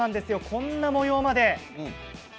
こんな模様まで。